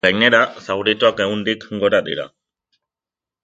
Gainera, zaurituak ehundik gora dira.